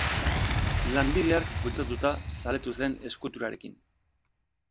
Lanbide hark bultzatuta zaletu zen eskulturarekin.